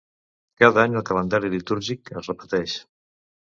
Cada any el calendari litúrgic es repeteix.